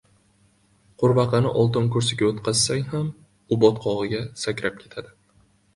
• Qurbaqani oltin kursiga o‘tkazsang ham u botqog‘iga sakrab ketadi.